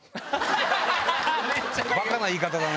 バカな言い方だね。